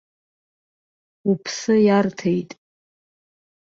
Уԥсы иарҭеит.